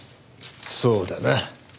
そうだな。